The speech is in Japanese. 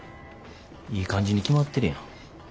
いい感じに決まってるやん。